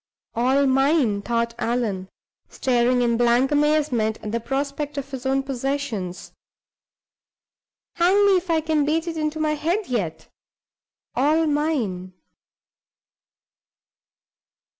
"All mine!" thought Allan, staring in blank amazement at the prospect of his own possessions. "Hang me if I can beat it into my head yet. All mine!"